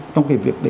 trong cái việc để